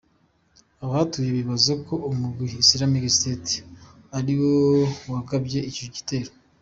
Abahatuye bibaza ko umugwi Islamic State ariwo wagavye ico gitero.